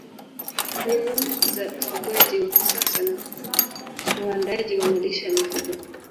Mbinu za ufugaji wa kisasa na uandaaji wa malisho ya mifugo